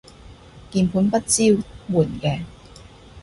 鍵盤不支援嘅